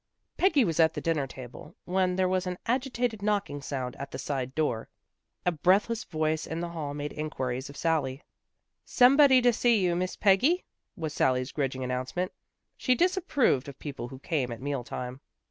Peggy was at the dinner table when an agi tated knocking sounded at the side door. A breathless voice in the hall made inquiries of Sally. " Somebody to see you, Miss Peggy," was Sally's grudging announcement. She dis approved of people who came at meal time.